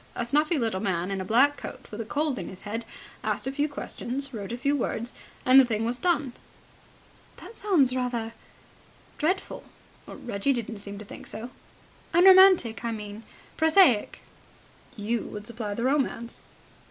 A snuffy little man in a black coat with a cold in his head asked a few questions, wrote a few words, and the thing was done." "That sounds rather ... dreadful." "Reggie didn't seem to think so." "Unromantic, I mean. ... Prosaic." "You would supply the romance."